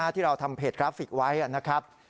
ที่เราทำเพจกราฟิกไว้นะครับ